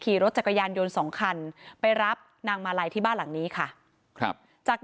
ขี่รถจักรยานยนต์สองคันไปรับนางมาลัยที่บ้านหลังนี้ค่ะครับจาก